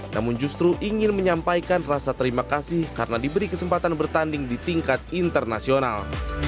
namun justru ingin menyampaikan rasa terima kasih karena diberi kesempatan bertanding di tingkat internasional